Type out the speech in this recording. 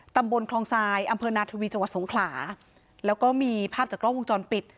ตำบลคลองทรายอัมเภอนาทวีเจาะสงขราแล้วก็มีภาพจากกล้อวงจรปิด